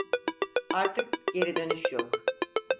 Artık geri dönüş yok.